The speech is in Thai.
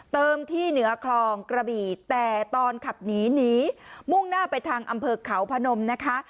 ที่เหนือคลองกระบี่แต่ตอนขับหนีหนีมุ่งหน้าไปทางอำเภอเขาพนมนะคะ